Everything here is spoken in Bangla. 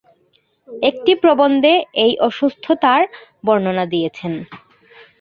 একটি প্রবন্ধে এই অসুস্থতার বর্ণনা দিয়েছেন।